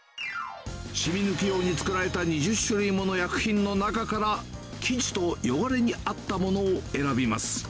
染み抜き用に作られた２０種類もの薬品の中から、生地と汚れに合ったものを選びます。